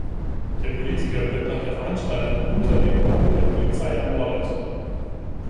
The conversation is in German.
Der Politiker wird nach der Veranstaltung unter den Augen der Polizei ermordet.